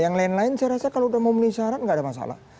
yang lain lain saya rasa kalau sudah memenuhi syarat nggak ada masalah